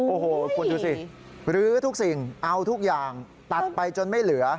โอ้โหคุณดูสิรื้อทุกสิ่งเอาทุกอย่างตัดไปจนไม่เหลือ